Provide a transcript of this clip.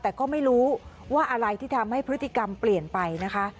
แต่ก็ไม่รู้ว่าอะไรที่ทำให้พฤติกรรมเปลี่ยนไปนะคะ